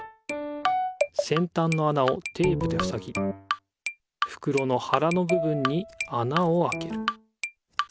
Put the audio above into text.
せんたんのあなをテープでふさぎふくろのはらのぶぶんにあなをあける